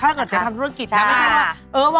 ถ้าเกิดจะทำธุรกิจนะไม่ใช่ว่า